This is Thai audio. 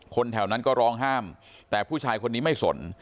แถวนั้นก็ร้องห้ามแต่ผู้ชายคนนี้ไม่สน